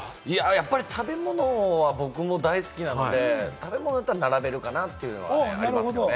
やっぱり建物は僕も大好きなので食べ物だったら並べるかな？っていうのはありますよね。